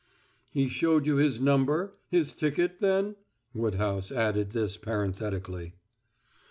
"He showed you his number his ticket, then?" Woodhouse added this parenthetically.